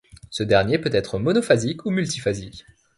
Ce dernier peut être monophasique ou multiphasique.